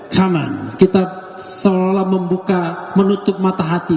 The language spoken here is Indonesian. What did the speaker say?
kanan kita seolah membuka menutup mata hati